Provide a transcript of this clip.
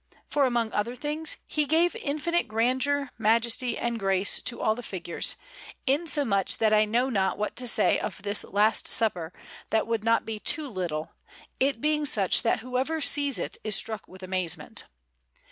For, among other things, he gave infinite grandeur, majesty, and grace to all the figures, insomuch that I know not what to say of this Last Supper that would not be too little, it being such that whoever sees it is struck with amazement.